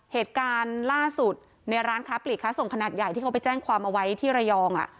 เหตุการณ์ล่าสุดในร้านค้าปลีกค้าส่งขนาดใหญ่ที่เขาไปแจ้งความเอาไว้ที่ระยอง